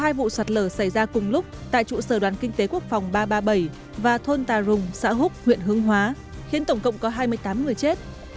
hai vụ sạt lở xảy ra cùng lúc tại trụ sở đoàn kinh tế quốc phòng ba trăm ba mươi bảy và thôn tà rùng xã húc huyện hương hóa khiến tổng cộng có hai mươi tám người chết